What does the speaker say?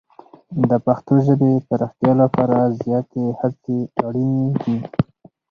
د پښتو ژبې پراختیا لپاره زیاتې هڅې اړینې دي.